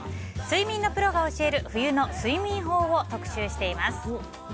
睡眠のプロが教える冬の睡眠法を特集しています。